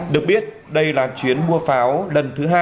được biết đây là chuyến mua pháo lần thứ hai